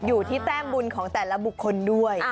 อยู่ที่แต้มบุญของแต่ละบุคคลด้วย